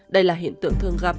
đây là hiện tượng thường gặp